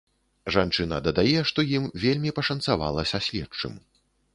Жанчына дадае, што ім вельмі пашанцавала са следчым.